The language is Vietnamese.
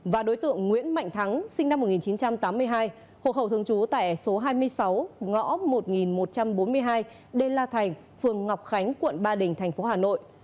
và đối tượng nguyễn mạnh thắng sinh năm một nghìn chín trăm tám mươi hai hộ khẩu thường trú tại số hai mươi sáu ngõ một nghìn một trăm bốn mươi hai đê la thành phường ngọc khánh quận ba đình tp hà nội